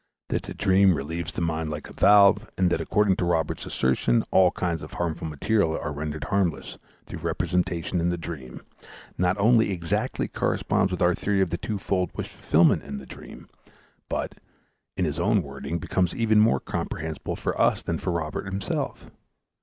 That the dream relieves the mind like a valve, and that, according to Robert's assertion, all kinds of harmful material are rendered harmless through representation in the dream, not only exactly coincides with our theory of the twofold wish fulfillment in the dream, but, in his own wording, becomes even more comprehensible for us than for Robert himself.